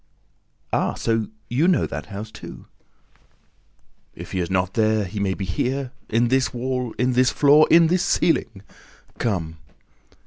"Ah, so you know that house too?" "If he is not there, he may be here, in this wall, in this floor, in this ceiling! ... Come!"